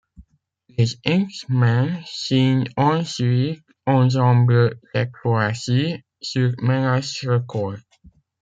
Les X-Men signent ensuite, ensemble cette fois-ci, sur Menace Records.